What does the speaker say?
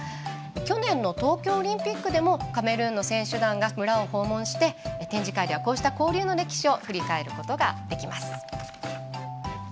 去年の東京オリンピックでもカメルーンの選手団が村を訪問して、展示会ではこうした交流の歴史を振り返ることができます。